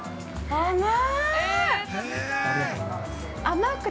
甘い！